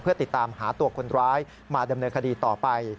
เพื่อติดตามหาตัวคนร้ายมาดำเนินคดีต่อไป